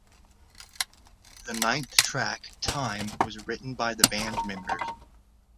The ninth track "Time" was written by the band members.